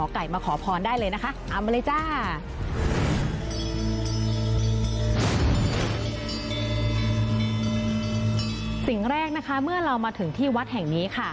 สิ่งแรกนะคะเมื่อเรามาถึงที่วัดแห่งนี้ค่ะ